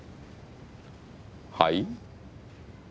はい？